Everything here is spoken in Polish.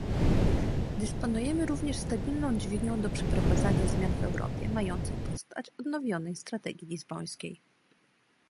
Dysponujemy również stabilną dźwignią do przeprowadzania zmian w Europie, mających postać odnowionej strategii lizbońskiej